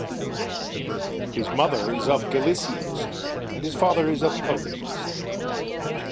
His mother is of Galician descent and his father is of Polish descent.